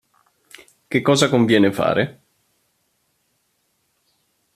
Che cosa conviene fare?